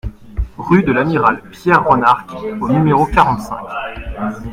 Rue de l'Amiral Pierre Ronarc'h au numéro quarante-cinq